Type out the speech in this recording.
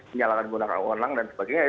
menyalahgunakan kewenang dan sebagainya